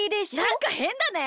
なんかへんだね。